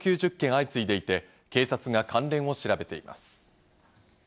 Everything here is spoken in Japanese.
相次いでいて、警察が関連を調べています。